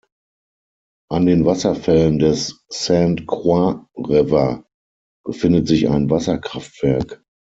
An den Wasserfällen des Saint Croix River befindet sich ein Wasserkraftwerk.